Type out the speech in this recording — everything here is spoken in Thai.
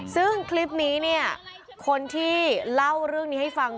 ซึ่งคลิปนี้เนี่ยคนที่เล่าเรื่องนี้ให้ฟัง